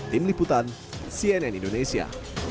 tim liputan cnn indonesia